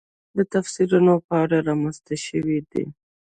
د تفسیرونو په اړه رامنځته شوې دي.